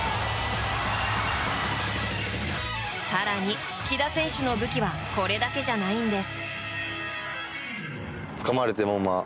更に、木田選手の武器はこれだけじゃないんです。